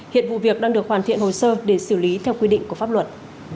hiện vụ việc đang được hoàn thiện hồ sơ để xử lý theo quy định của pháp luật